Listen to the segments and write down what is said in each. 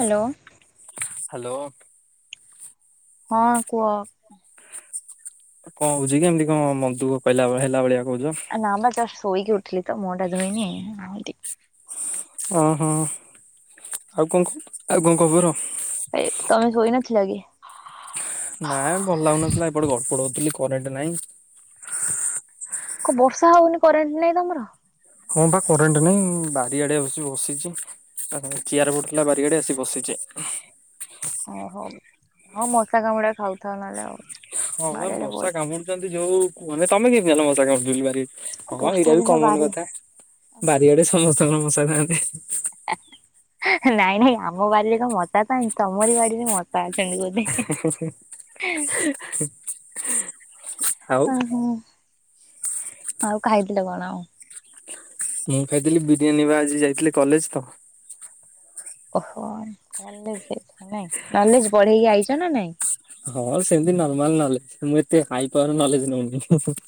Hello hello ହଁ କୁହ କଣ କହୁଛି କି ଏମିତି କଣ ମନ୍ଦୁ କହିଲା ହେଲା ଭଳିଆ କହୁଛ ନା ଆମ ଜଷ୍ଟ ଶୋଇକି ଉଠିଲି ତ ମୁହଁ ଟା ଧୋଇନି ଓହୋ ଆଉ କଣ ଆଉ କଣ ଖବର ଏଠି ତମେ ଶୋଇ ନଥିଲ କି? ନାଇଁ ଭଲ ଲାଗୁନଥିଲା ଏପଟେ ଗଡପଡ ହଉଥିଲି କରେଣ୍ଟ ନାଇଁ କ ବର୍ଷ ହଉନି କରେଣ୍ଟ ନାଇଁ ତମର ହଁ ବା କରେଣ୍ଟ ନାଇଁ ବାରି ଆଡେ ଆସି ବସିଛି ଆ ଚିଆର ପଡ଼ିଥିଲା ବାରି ଆଡ଼େ ଆସି ବସିଛି। ଓହୋ ହଁ ମଶା କାମୁଡା ଖାଉଥାଉ ନହେଲେ ଆଉ ହଁ ବା ବାଡିଆଡେ ବ ମଶା କାମୁଡୁଛନ୍ତି ଯୋଉ ମାନେ ତମେ କେମିତି ଜାଣିଲ ମଶା କାମୁଡୁଥିଲ ବୋଲି ବାରି ହଁ ବର୍ଷା ଏଇଟା ବି ଦିନ କମନ ବାରି କଥା ବାରିଆଡେ ସମସ୍ତଙ୍କର ମଶା ଥାନ୍ତି। ନାଇଁ ନାଇଁ ଆମ ବାଡ଼ିିରେ କଣ ମତା ପାଇଁ ତମରି ବାଡିରେ ମଶା ପା ଅଛନ୍ତି ବୋଧେ [inaudible] ଓହୋ ଆଉ ଖାଇଥିଲେ କଣ ଆଉ? ମୁଁ ଖାଇଥିଲି ବିରିୟାନୀ ବା ଆଜି ଯାଇଥିଲି କଲେଜ ତ ଓହ କଲେଜ ଯାଇଥିଲ ନାଇଁ ନଲେଜ ବଢେଇକି ଆଇଛ ନା ନାଇଁ ହଁ ସେମିତି ନର୍ମାଲ ନଲେଜ ମୁ ଏତେ ହାଇ ପାୱାର ନଲେଜ ନଉନି ହୁ ହୁ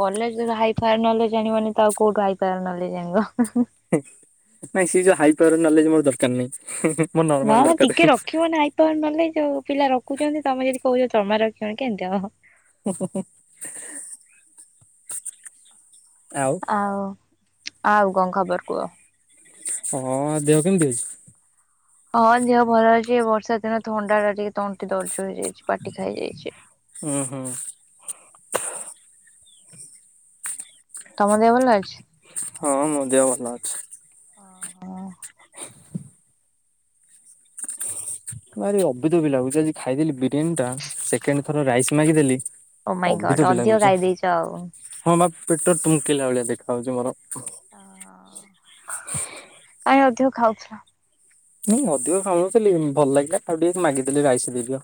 କଲେଜ ରେ ହାଇ ଫାର୍ ନଲେଜ ଜାଣିବନି ତ ଆଉ କୋଉଠୁ ହାଇ ଫାଇ ନଲେଜ ଜାଣିବ ହେଁ ନାଇଁ ସେ ଯୋଉ ହାଇ ପାୱାର ନଲେଜ ମୋର ଦରକାର ନାହିଁ ହେଁ ହେଁ ନା ନା ଟିକେ ରଖିବ ନା ତ ଏମାନେ ଯୋଉ ପିଲା ରଖୁଛନ୍ତି ତମେ ଯଦି କହୁଛ ଚମା ରଖିବନି କେମିତି ହବ। ହୁ ହୁ ଆଉ ଆଉ ଆଉ କଣ ଖବର କୁହ? ହଁ ଦେହ କେମିତି ଅଛି? ହଁ ଦେହ ଭଲ ଅଛି ଏ ବର୍ଷା ଦିନ ଥଣ୍ଡା ଟା ଟିକେ ତଣ୍ଟି ଦର୍ଜ ହେଇଯାଇଛି ପାଟି ଖାଇଯାଇଛି। ହୁଁ ହୁଁ ତମ ଦେହ ଭଲ ଅଛି? ହଁ ମୋ ଦେହ ଭଲ ଅଛି। ଓ ହ ଭାରି ଅଭିଧ ବି ଲାଗୁଛି ଆଜି ଖାଇଦେଲି ବିରିୟାନୀ ଟା ସେକେଣ୍ଡ ଥର ରାଇସ୍ ମାଗିଦେଲି ଓମାଇଁ ଗଡ୍ ଅବିତୋବି ଅଧିକ ଲାଗୁଛି ଗାଇ ଦେଇଛ ଆଉ ହଁ ବା ପେଟ ଟୁମ୍କିଲା ଭଳିଆ ଦେଖା ହାଉଛି ମୋର ଓ କାହିଁ ଅଧିକ ଖାଉଥିଲ ନାଇ ଅଧିକ ଖାଉନଥିଲି ଭଲ ଲାଗିଲା ଆଉ ଟିକେ ମାଗିଦେଲି ରାଇସ ଦେଇଦିଅ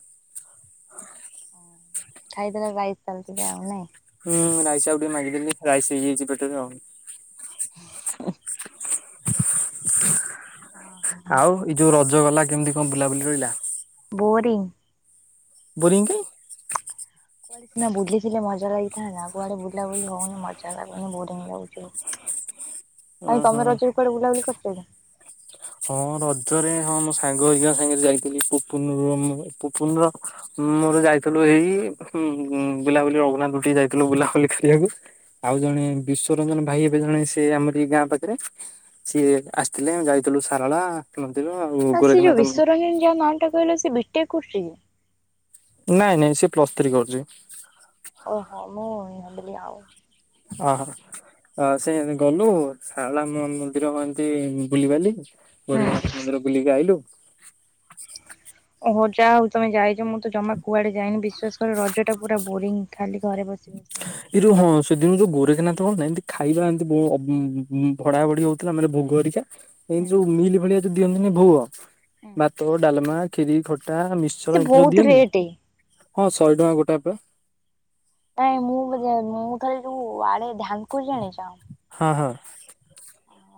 ଖାଇଦେଲେ ରାଇସ୍ ଚାଲିି ଆଉ ନାଇଁ ହୁଁ ରାଇସ ଆଉ ଟିକେ ମାଗିଦେଲି ରାଇସ ହେଇଯାଇଛି ପେଟରେ ଆଉ [unintelligible] ଓହୋ ଆଉ ଏଇ ଯୋଉ ରଜ ଗଲା କେମିତି କଣ ବୁଲାବୁଲି ରହିଲା? ବୋରିଂ। ବୋରିଂ କାଏଁ? କୁଆଡେ ସିନା ବୁଲିଥିଲେ ମଜା ଲାଗିଥାନ୍ତା କୁଆଡେ ବୁଲା ବୁଲି ହଉନି ମଜା ଲାଗୁନି ବୋରିଂ ଲାଗୁଛି। ଆଉ ଉଁ ତମେ ହୁଁ ରଜକୁ କୁଆଡେ ବୁଲାବୁଲି କରିଛ କି? ହଁ ରଜରେ ହଁ ମୋ ସାଙ୍ଗ ହେରିକିଆ ସାଙ୍ଗରେ ଯାଇଥିଲି ପୁପୁନ ର ମୋର ପୁପୁନର ହୁଁ ମୁଁ ତ ଯାଇଥିଲୁ ଏଇ ବୁଲାବୁଲି ରଘୁନାଥ କୁ ଟିକେ ଯାଇଥିଲୁ ବୁଲାବୁଲି କରିବାକୁ। ଆଉ ଜଣେ ବିଶ୍ଵରଞ୍ଜନ ଭାଇ ହେବେ ଜଣେ ସେ ଆମର ଏଇ ଗାଁ ପାଖରେ। ସିଏ ଆସିଥିଲେ ଯାଇଥିଲୁ ସାରଳା ମନ୍ଦିର ଆଉ ଗୋରଖନାଥ ମ ରିଞ୍ଜ ମାଲ୍ ତାକୁ ହେଲେ ସେ ବିଟେକ କରୁଛି କି? ନାଇଁ ନାଇଁ ସେ ପ୍ଲସ୍ ଥ୍ରୀ କରୁଛି। ଓହୋ ମୁଁ ଭାବିଲି ଆଉ। ଓହୋ! ଆଉ ସେ ଗଲୁ ସାରଳା ମ-ମନ୍ଦିର କନ୍ତି ବୁଲିବାଲି ଗୋରେଖନାଥ ମନ୍ଦିର ବୁଲିକି ଆଇଲୁ। ଓହୋ ଯାହା ହଉ ତମେ ଯାଇଛ ମୁଁ ତ ଜମା କୁଆଡେ ଯାଇନି ବିଶ୍ୱାସ କର ରଜଟା ପୁରା ବୋରିଂ ଖାଲି ଘରେ ବସି ବସି ବସିକା ଏଇ ଯୋଉ ହଁ ସେଦିନ ଯୋଉ ଗୋରେଖେନାଥ ହୋଉଥିଲା ଏମିତି ଖାଇବା ଏମିତି ବ ଭଡା ଭଡି ହଉଥିଲା ମାନେ ଭୋଗ ହରିକା ଏମିତି ଯୋଉ ମିଲ୍ ଭଳିଆ ଯୋଉ ଦିଅନ୍ତିୁନି ଭୋଗ ଭାତ ଡାଲମା ଖିରି ଖଟା ମି- ସେ କ୍ଚର ଏମତି ସବୁ ବହୁତ ଦିଅନ୍ତିନି ରେଟ୍ ହଁ ଶହେ ଟଙ୍କା ଗୋଟା ପା ନାଇଁ ମୁଁ ଜା ମୁଁ ଖାଲି ଯୋଉ ଆଣେ ଧାନକୁୁର ଜାଣିଛ? ହଁ ହଁ।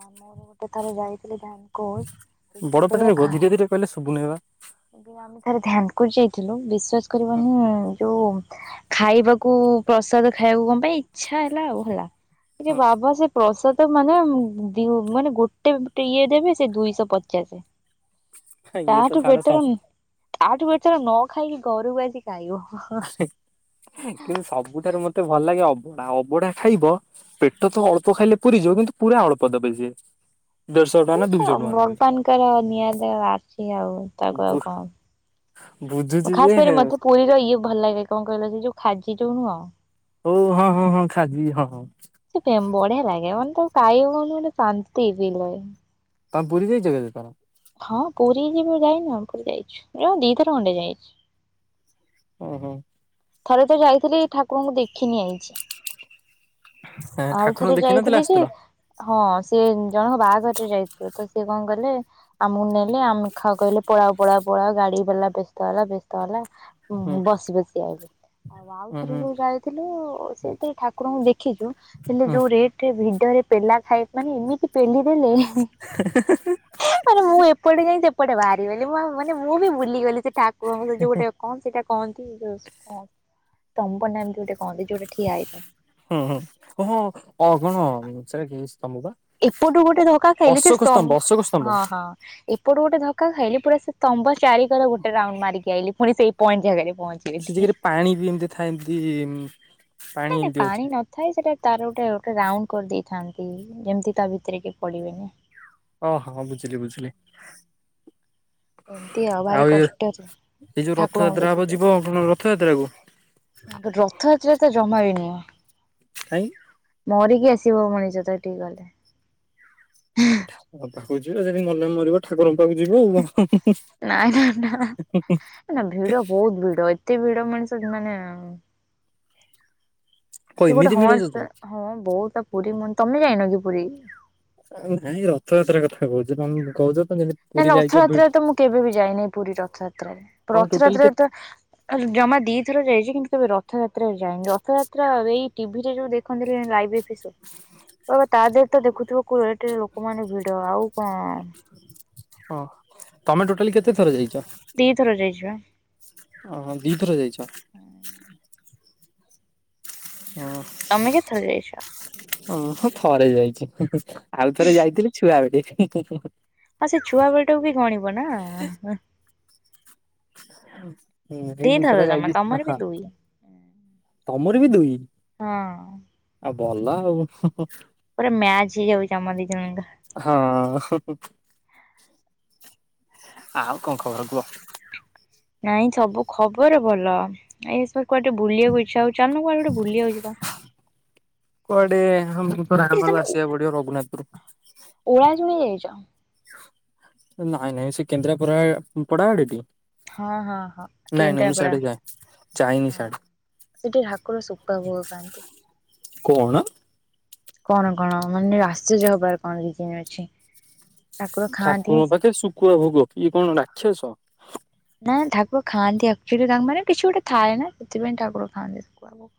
ଆ ମୋର ଗୋଟେ ଥରେ ଯାଇଥିଲି ଧାମ ବଡ ପାଟିରେ କୁହ ଧୀରେ ଧୀରେ କହିଲେ ଶୁବୁ ନେଇବା ଆଜ୍ଞା ଆମେ ଥରେ ଧାନକୁର୍ ଯାଇଥିଲୁ ବିଶ୍ଵାସ କରିବନି ଯୋଉ ଖାଇବାକୁ ପ୍ରସାଦ ଖାଇବାକୁ କଣ ପାଇଁ ଇଚ୍ଛା ହେଲା ଆଉ ହେଲା। ଏ ଯୋଉ ହଁ ବାବା ସେ ପ୍ରସାଦ ମାନେ ଦିଉ ମାନେ ଗୋଟେ ଟେ ଇଏ ଦେବେ ସେ ଦୁଇଶହ ପଚାଶ। ହଁ ଇଏ ତ ତାଠୁ ଛାଡ ବେଟର ସବୁ ତାଠୁ ବେଟର ନ ଖାଇକି ଘରୁକୁ ଆସିକି ଖାଇବ। ହେଁ କିନ୍ତୁ ସବୁଠାରୁ ମତେ ଭଲ ଲାଗେ ଅବଢା ଅବଢା ଖାଇବ ପେଟ ତ ଅଳ୍ପ ଖାଇଲେ ପୁରୀ ଯିବ କିନ୍ତୁ ପୁରା ଅଳ୍ପ ଦେବେ ସିଏ ଦେଢଶହ ଟଙ୍କା ନା [unintelligible] ଦୁଇଶହ ଟଙ୍କା ନେବେ ଭଗବାନଙ୍କର ନିଆଦ ଆସିଛି ଆଉ ତାକୁ ବୁ ଆଉ କଣ? ବୁଝୁଛି ଯେ ଖାସ କରି ମତେ ହଉ ପୁରୀର ଇଏ ଭଲ ଲାଗେ କଣ କହିଲ ସେ ଯୋଉ ଖାଜି ଯୋଉ ନୁହଁ? ହଉ ହଁ ହଁ ହଁ ଖାଇବି ହଁ। ସେ କେ ବଢିଆ ଲାଗେ ମାନେ ତାକୁ କାଇବ ମାନେ ପୁରା ଶାନ୍ତି ଫିଲ୍ ଲାଗେ। ତମେ ପୁରୀ ଯାଇଛ କେତେ ଥର? ହଁ ପୁରୀ ଯିବ ଯାଇନା ପୁରୀ ଯାଇଛୁଁ ଏଇ ମୁଁ ଦି ଥର ଖଣ୍ଡେ ଯାଇଛି। ଓ ହୋ। ଥରେ ତ ଯାଇଥିଲି ଠାକୁରଙ୍କୁ ଦେଖିନି ଆଇଛି। ହଁ ଠାକୁରଙ୍କୁ ଆଉଥରେ ଦେଖି ନଥିଲା ଯାଇଥିଲି ଯେ ଆସିଥିଲ ହଁ ସିଏ ଜଣଙ୍କ ବାହାଘରରେ ଯାଇଥିଲୁ ତ ସିଏ କଣ କଲେ? ଆମକୁ ନେଲେ ଆମେ ଖା କହିଲେ ପଳାଅ ପଳାଅ ପଳାଅ ଗାଡି ବାଲା ବ୍ୟସ୍ତ ହେଲା ବ୍ୟସ୍ତ ହେଲା। ହୁଁ ବସି ବସିକା ଆଇଲି। ଆଉ ହୁଁ ଆଉଥରେ ହୁଁ ଯୋଉ ଯାଇଥିଲୁ ସେଥିରେ ଠାକୁରଙ୍କୁ ଦେଖିଛୁ ହେଲେ ହୁଁ ଯୋଉ ରେ ସେ ଭିଡରେ ପେଲା ଖାଇବା ପାଇଁ ମାନେ ଏମିତି ପେଲି ଦେଲେ ହେଁ ମାନେ ମୁଁ ଏପଟେ ଯାଇ ସେପଟେ ବାହାରିଗଲି ମାନେ ମୁଁ ବି ଭୁଲିଗଲି ସେ ଠାକୁରଙ୍କୁ ଯଉ ଗୋଟେ କଣ ସେଇଟା କହନ୍ତି ଯୋଉ ସ୍ତ- ସ୍ତମ୍ବ ନା ଏମିତି ଗୋଟେ କଣ ଯୋଉଟା ଠିଆ ହେଇଥାଏ। ହଁ ହଁ ଓହୋ ଅ କଣ ସେଟା କିସ୍ତମ୍ଭବା। ଏପଟୁ ଗୋଟେ ଧକ୍କା ଖାଇଲି ସେ ସ୍ତମ୍ଭ ଅଶୋକ ସ୍ତମ୍ଭ ହଁ ହଁ ଏପଟୁ ଗୋଟେ ଧକ୍କା ଖାଇଲି ପୁରା ସେ ସ୍ତମ୍ଭ ଚାରି କର ଗୋଟେ ରାଉଣ୍ଡ ମାରିକି ଆଇଲି ପୁଣି ସେଇ ପଏଣ୍ଟ ଜାଗାରେ ପଅଞ୍ଚି ସେ ଜାଗାରେ ପାଣିବି ଏମତି ଥାଏ ଏମତି ଇଁ ପାଣି ଏମତି ଅଛି। ଥାଏ ସେଟା ତାର ଗୋଟେ ଗୋଟେ ରାଉଣ୍ଡ କରିଦେଇଥାନ୍ତି ଯେମିତି ତାଭିତରେ କେଇ ପଡ଼ି ବେନି। ଓହୋ ବୁଝିଲି ବୁଝିଲି। ଏମିତି ଭାରି ଆଉ ଏଇ କଷ୍ଟରେ ଏଇ ଯୋଉ ଠାକୁରଙ୍କୁ ରଥଯାତ୍ରା ହବ ଦେଖିକି ଯିବ [unintelligible] ରଥଯାତ୍ରାକୁ? [unintelligible] ରଥଯାତ୍ରାତ ଜମାବି ନୁହଁ। କାଇଁ? ମରିକି ଆସିବ ମଣିଷତ ହେଟିକି ଗଲେ। ଅଧା [unintelligible] ଯଦି ମଲେ ମରିବ। ଠାକୁରଙ୍କ ପାଖକୁ ଯିବ ଆଉ ହୁଁ ହୁଁ ନାଇଁ ନା ନା ହୁଁ। ନା ଭିଡ଼ ବହୁତ୍ ଭିଡ଼ ଏତେ ଭିଡ଼ ମଣିଷ ମାନେ କଣ ସେ ଗୋଟେ ଏମିତି ଭିଡ ହଁ ଯେ ତ ଯିବ ହଁ ବହୁତ୍ ପୁରୀ ମ ତମେ ଜାଇନକି ପୁରୀ? ଆ ନାଇଁ ରଥଯାତ୍ରା କଥା କହୁଚି ତମେ କହୁଛତ ଯେମି ନାଇଁ ରଥଯାତ୍ରାରେତ ମୁଁ କେବେବି ଯାଇନି ପୁରୀ ରଥଯାତ୍ରାରେ ତମେ ଟୋଟାଲି କେତେ ରଥଯାତ୍ରାରେତ ଅ ଜମା ଦିଥର ଯାଇଚି କିନ୍ତୁ କେବେ ରଥଯାତ୍ରା ଯାଇନି ରଥଯାତ୍ରା ଏଇ ଟିଭିରେ ଯୋଉ ଦେ ଖନ୍ତିରେ ଲାଇଫ୍ ଏପିଶୋ ବ ତା ଦେହତ ଦେଖୁଥିବ କୋ ଏଠି ଲୋକମାନେ ଭିଡ଼ ଆଉ କଣ ହଁ ତମେ ଟୋଟାଲି କେତେ ଥର ଯାଇଚ? ଦିଥର ଯାଇଚିବା। ଓହୋ ଦିଥରେ ଯାଇଚ। ହଁ। ତମେ କେତ ଥର ଯାଇଚ? ମୁତ ଥରେ ଯାଇଚି ହୁଁ ହୁଁ ଆଉ ଥରେ ଯାଇଥିଲି ଛୁଆ ବେଳେ ହୁଁ ହୁଁ ହୁଁ। ଆଉ ସେଛୁଆ ବେଳଠୁବି ଗଣିବନା ଆଁ ହାଁ। ହଁ ଏଇ ଦିଥର ଦୁଇଥର ଜମା ଯାଇଚି ତମର ବି ଦୁଇ [unintelligible] ତମରବି ଦୁଇ। ହଁ। ଆଉ ଭଲ ଆଉ ହୁଁ ହୁଁ। ପୁରା ମ୍ୟାଚ୍ ହେଇଯାଉଚି ଆମ ଦିଜଣଙ୍କର। ହଁ ହୁଁ ହୁଁ ଆଉ କଣ ଖବର କୁଅ? ନାଇଁ ସବୁ ଖବର ଭଲ ଏଇସବୁ କୁଆଡ଼େ ଟିକେ ବୁଲିଆକୁ ଇଚ୍ଛା ହଉ ଚାଲୁନ କୁୁଆଡ଼େ ଗୋଟେ ବୁଲିିଆକୁ ଯିବା। କୁଆଡେ ହଁ ମୁତ ଏଠି [unintelligible] ତମେ ଆସିବାକୁ ପଡ଼ିବ ରଘୁନାଥପୂରୁ। ଓଳାଶୁଣି ଯାଇଚ? ନାଇଁ ନାଇଁ ସେ କେନ୍ଦ୍ରାପରା ପଡ଼ାଆଡ଼େକି? ହଁ ହଁ ହଁ ନାଇଁ ନାଇଁ ମୁଁ କେନ୍ଦ୍ରାପଡା। ସିଆଡ଼େ ଯା ଯାଇନି ହଁ। ସିଆଡ଼େ। ସେଠି ଠାକୁର ଶୁଖୁଆ ଫୁକୁଆ ଖାଆନ୍ତି। କଣ? କଣ କଣ ମାନେ ଆଶ୍ଚର୍ଯ୍ୟ ହବାର କଣ ରିଜିନ୍ ଅଛି? ଠାକୁର ଖାଆନ୍ତି ହିଁ ଠାକୁରଙ୍କ ପାଖେ ଶୁକୁଆ ଭୋଗ ଇଏ କଣ ରାକ୍ଷସ। ନା ଠାକୁର ଖାଆନ୍ତି ଆକ୍ଚୁଆଲି ତାଙ୍କ ମାନେ କିଛି ଗୋଟେ ଥାଏନା ସେଥିପାଇଁ ଠାକୁର ଖାଆନ୍ତି ସୁକୁଆ ଭୋ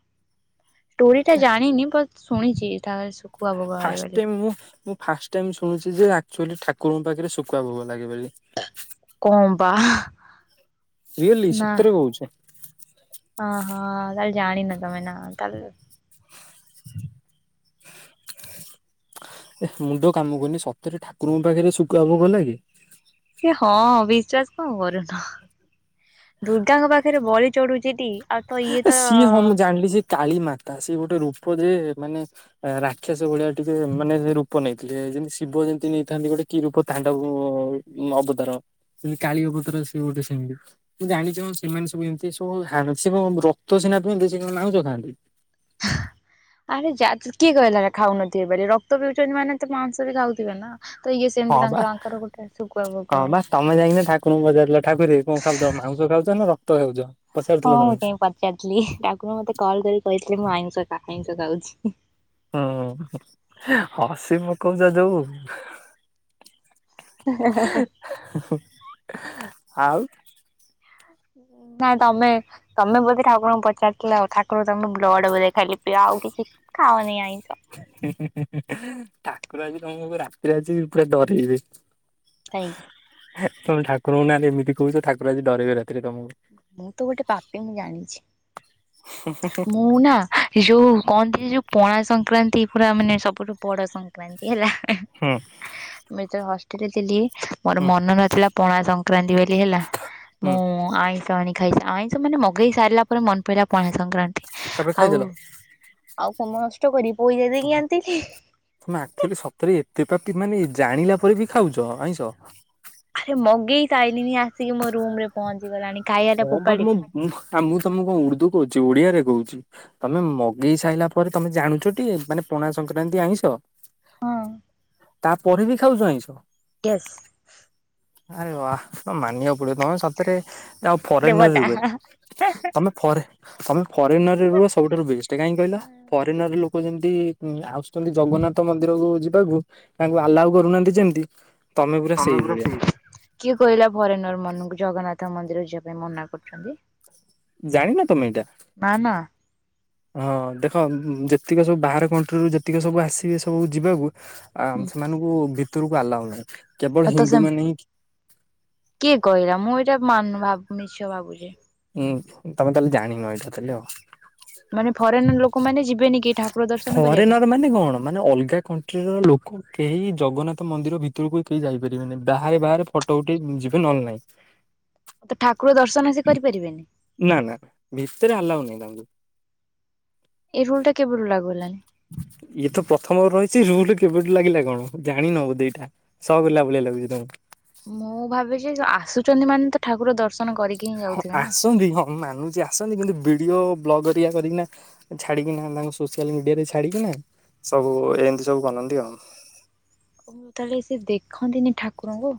ଟୁରିଟା ଜାଣିନି ବାସ୍ ଶୁଣିଚି ଠା ଶୁଖୁଆ ଭୋଗ ହଏ ବୋଲି। [unintelligible] ଫାଷ୍ଟ ଟାଇମ୍ ଶୁଣୁଚିଯେ ଆକ୍ଚୁଆଲି ଠାକୁରଙ୍କ ପାଖରେ ଶୁଖୁଆ ଭୋଗ ଲାଗେ ବୋଲି। କନ୍ ବା ରିୟେଲି ସେତରେ କହୁଚି। ଅଁହଁ ତାହେଲେ ଜାଣିନ ତମେନା ତାଲେ ଏ ମୁଣ୍ଡ କାମ କରୁନି ସତରେ ଠାକୁରଙ୍କ ପାଖରେ ଶୁକୁଆ ଭୋଗ ଲାଗେ? ଏ ହଁ ବିଶ୍ଵାସ କଣ କରୁନ ଦୁର୍ଗାଙ୍କ ପାଖରେ ବଳି ଚଢୁଚିଟି। ଏ ସିଏ ହଁ ମୁ ଜାଣିଲି ସେ କାଳୀମାତା ସିଏ ଗୋଟେ ରୂପ ଯେ ମାନେ ଏଁ ରାକ୍ଷସ ଭଳିଆ ଟିକେ ମାନେ ରୂପ ନେଇଥିଲେ ଯେମିତି ଶିବ ଯେମିତି ନେଇଥାନ୍ତି ଗୋଟେ କି ରୂପ ତାଣ୍ଡବ ରୁ ଅବତାର ସେମିତି କାଳି ଅବତାର ସେ ଗୋଟେ ସେମିତି। ତୁ ଜାଣିଚୁ ସେମାନେ ସବୁ ଏମିତି ସବୁୁ ହାଣୁ ସେ ରକ୍ତ ସିନାପିଅନ୍ତି ସେକଣ ମାଉଁଛ ଖାନ୍ତି। [inaudible] ଆରେ ଜା କିଏ କହିଲା ଏରା ଖାଉନଥିବେବୋଲି ଆରେ ରକ୍ତ ପିଉଛନ୍ତି ମାନେ ତ ମାଂସ ବି ଖାଉଥିବେ ନା? ତ ଇଏ ହଁ ସେମିତି ବା ତାଙ୍କର ଆଙ୍କର ଗୋଟେ ଶୁଖୁଆ ଭୋଗ ହଁ ହଏ। ବା ତମେ ଯାଇକିନାଁ ଠାକୁରଙ୍କୁ ପଚାରିଲ ଠାକୁରେ କଣ ଖାଉଥିଲ ମାଂ ଉଷ ଖାଉଛ ନା ରକ୍ତ ଖାଉଛ? ହଁ ପଚାରୁଥିଲ ତମେ ମୁଁ କାହିଙ୍କି ପଚାରିଥିଲି ଠାକୁର ମତେ କଲ୍ କରି କହିିଥିଲେ ମୁଁ ଆଇଁଷ କାହା ଆଇଁଷ ଖାଉଛି। ହୁଁ ହସି ପକଉଚ ଯଉ। ଆଉ। ନାଇଁ ତମେ ତମେ ବୋଧେ ଠାକୁରଙ୍କୁ ପଚାରିଥିଲ ଆଉ ଠାକୁର ତମେ ବ୍ଲଡ ବୋଧେ ଖାଲି ପିଅ ଆଉ କିଛି ଖାଅନି ଆ ଠାକୁର ଆଜି ତମକୁ ରାତିରେ ଆସି ପୁରା ଡରେଇବେ। [inaudible] କାହିଁକ? ତମେ ଠାକୁରଙ୍କୁ ନାଁରେ ଏମିତି କହୁଛ ଠାକୁର ଆଜି ଡ଼ରେଇବେ ରାତିରେ ତମକୁ। ମୁଁ ତ ଗୋଟେ ପାପି ମୁଁ ଜାଣିଛି। ହଁ। ମୁଁ ନା ଯୋଉ କହନ୍ତି ଯୋଉ ପଣା ସଂକ୍ରାନ୍ତି ପୁରା ମାନେ ସବୁଠୁ ବଡ ସଂକ୍ରାନ୍ତି ହେଲା। ହୁଁ। ମୁଁ ଯେତେବେଳେ ହଷ୍ଟେଲରେ ଥିଲି ମୋର ହୁଁ ମନ ନଥିଲା ପଣା ସଂକ୍ରାନ୍ତି ବୋଲି ହେଲା। ମୁଁ ହୁଁ। ଆଇଁଷ ଆଣି ଖାଇଛି ଆଇଁଷ ମାନେ ମଗେଇ ସାରିଲା ପରେ ମନେ ପଇଲା ପଣା ସଂକ୍ରାନ୍ତି। ତାପରେ ଆଉ ଖାଇଦେଲ? ଆଉ କଣ ମୁଁ ନଷ୍ଟ କରିିବି ପଇସା ଦେଇକି ଆଣିଥିଲି। ତୁମେ ଆକ୍ଚୁଆଲି ସତରେ ଏତେ ପାପି ମାନେ ଜାଣିଲା ପରେ ବି ଖାଉଛ ଆଇଁଷ। ଆରେ ମଗେଇ ସାଇଲିଣିି ଆସିକି ମୋ ରୁମରେ ପହଞ୍ଚିଗଲାଣି। ଖାଇବା ଟା ହଁ ବା ମୁଁ ଫୋପାଡିବି। ମୁଁ ତମକୁ କଣ ଉର୍ଦୁ କହୁଛି ଓଡିଆରେ କହୁଛି। ତମେ ମଗେଇ ସାରିଲା ପରେ ତମେ ଜାଣୁଛଟି ମାନେ ପଣା ସଂକ୍ରାନ୍ତି ଆଇଁଷ? ହଁ ତା ପରେ ବି ଖାଉଛ ଆଇଁଷ? ୟେଶ। ଆରେ ବା ମାନିବାକୁ ପଡିବ ତମେ ସତରେ ଆଉ ଫରେନ ଦେବତା ଯ ତମେ ଫରେ ତମେ ଫରେନରେ ରୁହ ସବୁଠାରୁ ବେଷ୍ଟ କାହିଁକି କହିଲ? ଫରେନର ଲୋକ ଯେମିତି ଆସୁଛନ୍ତି ଜଗନ୍ନାଥ ମନ୍ଦିରକୁ ଯିବାକୁ ତାଙ୍କୁ ଆଲାଉ କରୁନାହାନ୍ତି ଯେମିତି ତମେ ପୁରା ସେଇଭଳିଆ। କିଏ କହିଲା ଫରେନର ମାନଙ୍କୁ ଜଗନ୍ନାଥ ମନ୍ଦିର ଯିବା ପାଇଁ ମନା କରୁଛନ୍ତି। ଜାଣିନ ତମେ ଏଇଟା? ନା ନା। ହଁ ଦେଖ ଯେତିକ ସବୁ ବାହାର କଣ୍ଟ୍ରିରୁ ଯେତିକ ସବୁ ଆସିବେ ସବୁ ଯିବାକୁ ଆ ସେମାନଙ୍କୁ ଭିତରକୁ ଆଲାଉ ନାହିଁ କେବଳ ତ ସେ ହିନ୍ଦୁ ମାନେ ହିଁ କିଏ କହିଲା ମୁଁ ଏଇଟା ମାନୁ ଭାବ ମିଛ ଭାବୁଛି। ହୁଁ ତମେ ତାହେଲେ ଜାଣିନ ଏଇଟା ତାହଲେ ଆଉ। ମାନେ ଫରେନର ଲୋକମାନେ ଯିବେନି କେହି ଠାକୁ ଫରେନର ମାନେ କଣ? ମାନେ ଅଲଗା କଣ୍ଟ୍ରିର ଲୋକ କେହି ଜଗନ୍ନାଥ ମନ୍ଦିର ଭିତରକୁ କେହି ଯାଇପାରିବେନି ବାହାରେ ବାହାରେ ଫଟୋ ଉଠେଇ ଯିବେ ନହେଲେ ନାଇଁ। ତ ଠାକୁର ଦର୍ଶନ ସିଏ କରିପାରିବେନି? ନା ନା ଭିତରେ ଆଲାଉ ନାଇଁ ତାଙ୍କୁ। ଏଇ ରୁଲ ଟା କେବେ ରୁ ଲାଗୁ ହେଲାଣି? ଇଏ ତ ପ୍ରଥମରୁ ରହିଛି ରୁଲ କେବେଠୁ ଲାଗିଲା କଣ ଜାଣିନ ବୋଧେ ଏଇଟା। ସକ୍ ହେଲା ଭଳିଆ ଲାଗୁଛି ତମକୁ। ମୁଁ ଭାବିଛି ଆସୁଛନ୍ତି ମାନେ ତ ଠାକୁର ଦର୍ଶନ କର। ହଁ ଆସନ୍ତି ହଁ ମୁଁ ମାନୁଛି ଆସନ୍ତି କିନ୍ତୁ ଭିଡିଓ ବ୍ଲଗ କରିକିନା। ଛାଡିକିନା ତାଙ୍କୁ ସୋସିଆଲ ମିଡିଆରେ ଛାଡିକିନା ସବୁ ଏମିତି ସବୁ ବନନ୍ତି ଆଉ ଓ ତାହେଲେ ସିଏ ଦେଖନ୍ତିନି ଠାକୁରଙ୍କୁ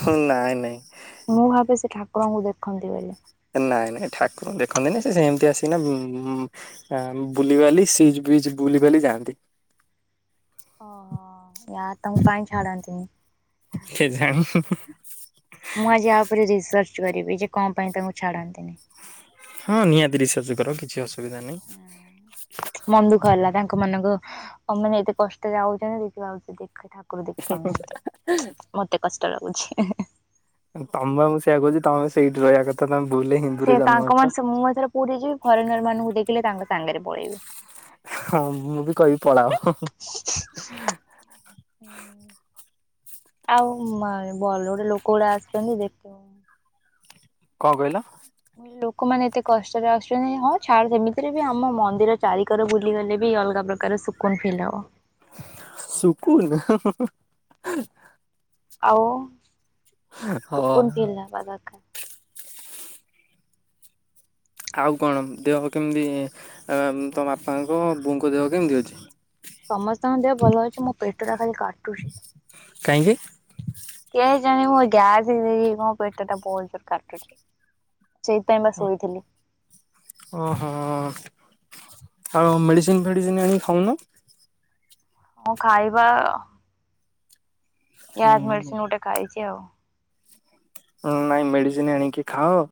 ହୁଁ ନାଇଁ ନାଇଁ। ମୁଁ ଭାବେ ସେ ଠାକୁରଙ୍କୁ ଦେଖନ୍ତି ବୋଲି। ନାଇଁ ନାଇଁ ଠାକୁର ଦେଖନ୍ତିନି ସେ ସେମିତି ଆସିନା ଉଁ ହଁ ବୁଲିବାଲି ସିଚ ବିଚ ବୁଲିବାଲି ଯାଆନ୍ତି। ଓହୋ ୟା ତମ କାଇହିଁ ଛାଡ଼ନ୍ତି। କେଜାଣି? ମୁଁ ଆଜି ଆ ଉପରେ ରିସର୍ଚ୍ଚ କରିବି ଯେ କଣ ପାଇଁ ତାଙ୍କୁ ଛାଡନ୍ତିନି? ହଁ ନିହାତି ରିସର୍ଚ କର କିଛି ଅସୁବିଧା ନାହିଁ। ମମି କହିଲା ତାଙ୍କ ମାନଙ୍କୁ ଆଉ ମାନେ ଏତେ କଷ୍ଟ ଯାଉଛନ୍ତି ଦେଖିଲା ବେଳକୁ ଠା ଠାକୁର ଦେଖିପାରୁନାହାନ୍ତି ମତେ କଷ୍ଟ ଲାଗୁଛି। ତମେବା ମୁଁ ସେଇଆ କହୁଛି ତମେ ସେଇଠି ରହିବା କଥା ତମେ ଭୁଲରେ ହିଁ ସେ ତାଙ୍କ ମାନ ମୁଁ ଏଥରେ ପୁରୀ ଯିବି ଫରେନର ମାନଙ୍କୁ ଦେଖିଲେ ତାଙ୍କ ସାଙ୍ଗରେ ପଳେଇବି। ହଁ ମୁଁ ବି କହିବି ପଳାଅ। ଆଉ ମେ ଭଲରେ ଲୋକ ଗୁଡା ଆସିୁଛନ୍ତି ଦେଖ କଣ କହିଲ? ଲୋକମାନେ ଏତେ କଷ୍ଟରେ ଆସୁଛନ୍ତି ହଁ ଛାଡ ସେମିତିରେ ବି ଆମ ମନ୍ଦିର ଚାରିିକର ବୁଲିଗଲେ ବି ଅଲଗା ପ୍ର କାରରେ ଶୁକୁନ ଫିଲ ହବ। ସୁଖୁନ ହୁଁ ହୁଁ। ଆଉ ହଁ। ସୁଖୁନ ଫିଲ ହେବା ଦରକାର। ଆଉ କଣ ଦେହ କେମିତି ତ ବାପାଙ୍କ ବୋଉଙ୍କ ଦେହ କେମିତି ଅଛି? ସମସ୍ତଙ୍କ ଦେହ ଭଲ ଅଛି ମୁଁ ପେଟଟା ଖାଲି କାଟୁଛି। କାହିଁକି? କେଜାଣି ମୋ ଗ୍ୟାସ ହେଇ ମୋ ପେଟଟା ବହୁତ ଜୋର କାଟୁଛି। ସେଇଥିପାଇଁ ବା ଶୋଇଥିଲି। ଓହୋ ଆଉ ମେଡ଼ିସିନ ଫେଡ଼ିସିନ୍ ଆଣିକି ଖାଉନ ହଁ ଖାଇବା। ଗ୍ୟାସ୍ ହୁଁ। ମେଡିସିନ ଗୋଟେ ଖାଇଛି ଆଉ ହ ନାଇଁ ମେଡିସିନ ଆଣିକି ଖାଅ।